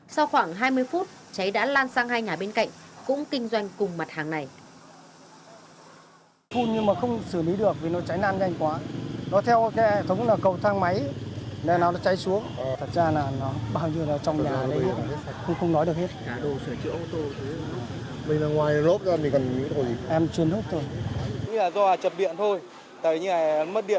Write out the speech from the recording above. sau khoảng hai mươi phút cháy đã lan sang hai nhà bên cạnh cũng kinh doanh cùng mặt hàng này